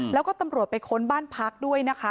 แล้วก็ตำรวจไปค้นบ้านพักด้วยนะคะ